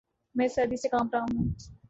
میں سردی سے کانپ رہا ہوں